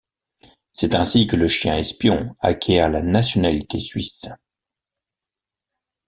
C'est ainsi que le chien espion acquiert la nationalité suisse.